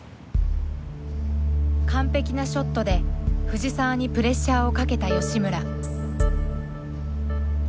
完璧なショットで藤澤にプレッシャーをかけた吉村。